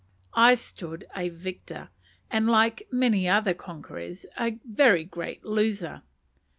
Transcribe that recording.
I stood a victor; and, like many other conquerors, a very great loser.